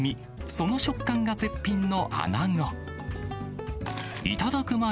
その食感が絶品のアナゴ。